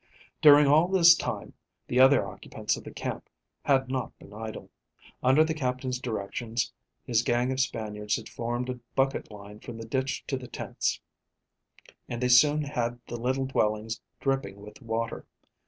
During all this time the other occupants of the camp had not been idle. Under the Captain's directions, his gang of Spaniards had formed a bucket line from the ditch to the tents, and they soon had the little dwellings dripping with water.